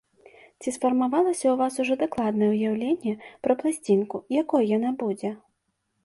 Ці сфармавалася ў вас ужо дакладнае ўяўленне пра пласцінку, якой яна будзе?